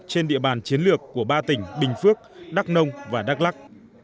trên địa bàn chiến lược của ba tỉnh bình phước đắk nông và đắk lắc